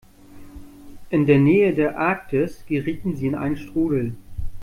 In der Nähe der Arktis gerieten sie in einen Strudel.